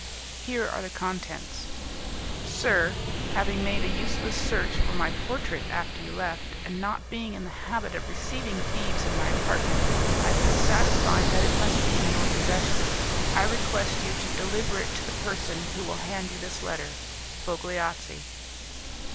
Here are the contents: "Sir, having made a useless search for my portrait after you left, and not being in the habit of receiving thieves in my apartment, I feel satisfied that it must be in your possession. I request you to deliver it to the person who will hand you this letter. "FOGLIAZZI."